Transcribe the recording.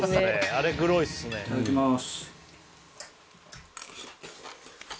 いただきます